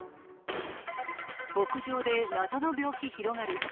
牧場で謎の病気広がる。